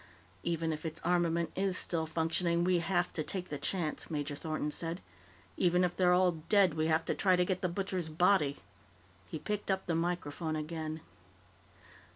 "Even if its armament is still functioning, we have to take the chance," Major Thornton said. "Even if they're all dead, we have to try to get The Butcher's body." He picked up the microphone again.